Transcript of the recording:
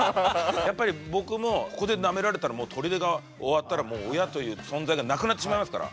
やっぱり僕もここでなめられたら砦が終わったらもう親という存在がなくなってしまいますから。